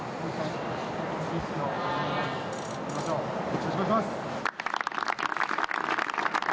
よろしくお願いします。